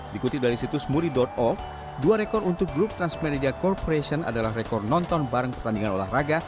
dikutip dari situs muri o dua rekor untuk grup transmedia corporation adalah rekor nonton bareng pertandingan olahraga